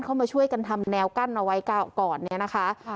เข้ามาช่วยกันทำแนวกั้นเอาไว้ก่อนเนี่ยนะคะ